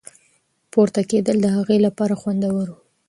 پورته کېدل د هغې لپاره خوندور وو.